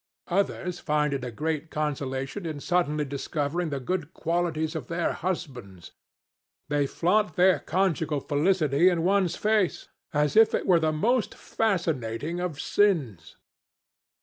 Others find a great consolation in suddenly discovering the good qualities of their husbands. They flaunt their conjugal felicity in one's face, as if it were the most fascinating of sins.